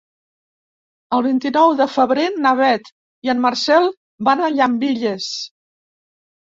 El vint-i-nou de febrer na Beth i en Marcel van a Llambilles.